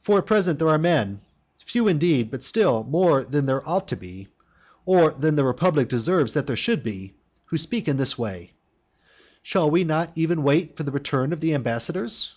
For at present there are men, few indeed, but still more than there ought to be, or than the republic deserves that there should be, who speak in this way, "Shall we not even wait for the return of the ambassadors?"